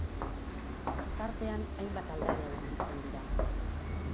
Tartean hainbat aldare aurkitzen dira.